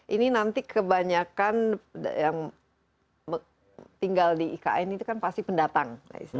ini nanti kebanyakan yang tinggal di ikn itu kan pasti pendatang